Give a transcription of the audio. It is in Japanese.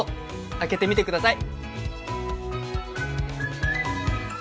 開けてみてください。